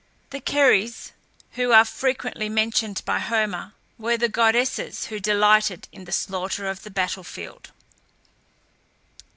The Keres, who are frequently mentioned by Homer, were the goddesses who delighted in the slaughter of the battle field.